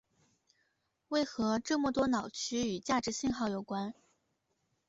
为何这么多脑区与价值信号有关。